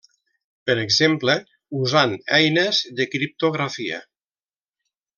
Per exemple usant eines de criptografia.